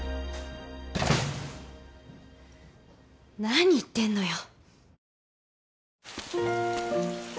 何言ってんのよ。